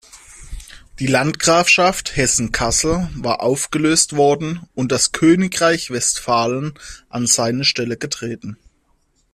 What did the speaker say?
Die Landgrafschaft Hessen-Kassel war aufgelöst worden und das Königreich Westphalen an seine Stelle getreten.